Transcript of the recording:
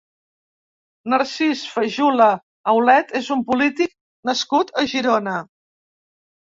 Narcís Fajula Aulet és un polític nascut a Girona.